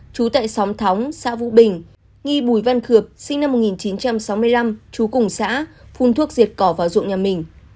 chú tại xóm thóng xã vũ bình nghi bùi văn khược sinh năm một nghìn chín trăm sáu mươi năm chú cùng xã phun thuốc diệt cỏ vào ruộng nhà mình